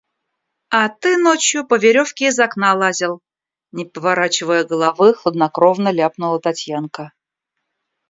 – А ты ночью по веревке из окна лазил, – не поворачивая головы, хладнокровно ляпнула Татьянка.